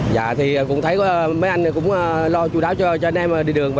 dạ thì cũng thấy mấy anh cũng lo chú đáo cho anh em đi đường